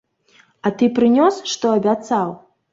А ты прынёс, што абяцаў?